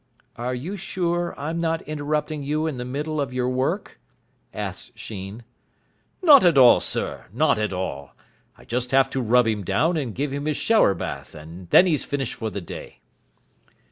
"Are you sure I'm not interrupting you in the middle of your work?" asked Sheen. "Not at all, sir, not at all. I just have to rub him down, and give him his shower bath, and then he's finished for the day."